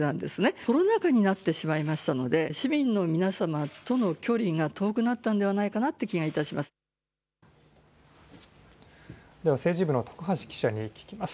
コロナ禍になってしまいましたので市民の皆さまとの距離が遠くなったんではでは、政治部の徳橋記者に聞きます。